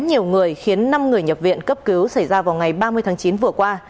nhiều người khiến năm người nhập viện cấp cứu xảy ra vào ngày ba mươi tháng chín vừa qua